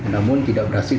namun tidak berhasil